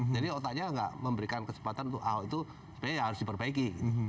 jadi otaknya nggak memberikan kesempatan untuk ahok itu sebenarnya harus diperbaiki